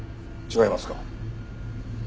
違います。